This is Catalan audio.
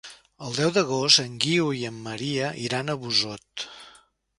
El deu d'agost en Guiu i en Maria iran a Busot.